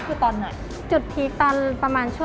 นี่ค่ะนี่ค่ะนี่ค่ะนี่ค่ะ